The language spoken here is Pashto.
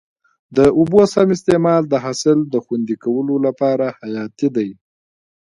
د اوبو سم استعمال د حاصل د خوندي کولو لپاره حیاتي دی.